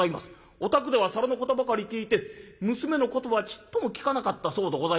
『お宅では皿のことばかり聞いて娘のことはちっとも聞かなかったそうでございます。